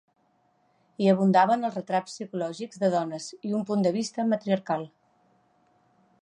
Hi abundaven els retrats psicològics de dones i un punt de vista matriarcal.